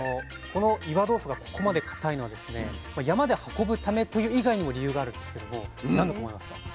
この岩豆腐がここまで固いのは山で運ぶためという以外にも理由があるんですけども何だと思いますか？